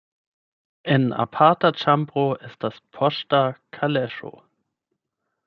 En aparta ĉambro estas poŝta kaleŝo.